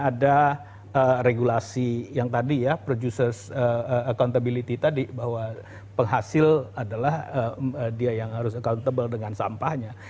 ada regulasi yang tadi ya producer accountability tadi bahwa penghasil adalah dia yang harus accountable dengan sampahnya